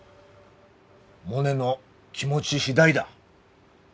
モネの気持ち次第だ。